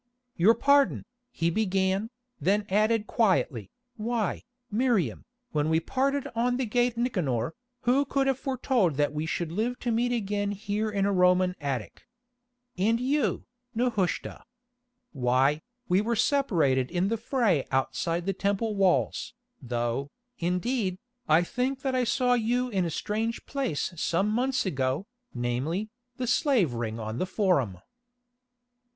"Your pardon," he began, then added quietly, "Why, Miriam, when we parted on the gate Nicanor, who could have foretold that we should live to meet again here in a Roman attic? And you, Nehushta. Why, we were separated in the fray outside the Temple walls, though, indeed, I think that I saw you in a strange place some months ago, namely, the slave ring on the Forum."